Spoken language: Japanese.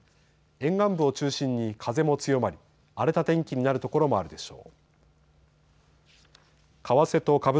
沿岸部を中心に風も強まり、荒れた天気になる所もあるでしょう。